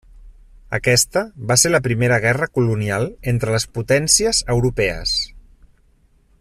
Aquesta va ser la primera guerra colonial entre les potències europees.